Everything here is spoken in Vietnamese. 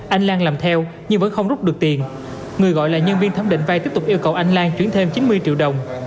anh lan làm theo nhưng vẫn không rút được tiền người gọi là nhân viên thấm định vay tiếp tục yêu cầu anh lan chuyển thêm chín mươi triệu đồng